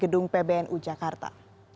dung pbnu jakarta